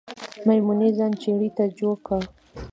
میمونۍ ځان چړې ته جوړ که